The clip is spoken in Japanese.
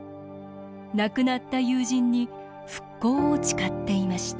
亡くなった友人に復興を誓っていました。